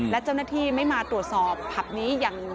และเจ้าหน้าที่ไม่มาตรวจสอบผับนี้อย่าง